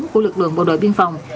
của lực lượng bộ đội biên phòng